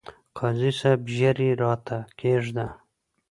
قاضي صاحب! ژر يې راته کښېږده ،